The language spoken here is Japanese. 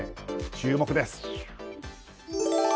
注目です。